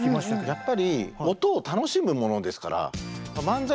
やっぱり音を楽しむものですから。